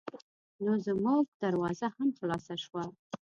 نو زمونږ دروازه هم خلاصه شوه.